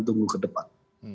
tunggu ke depan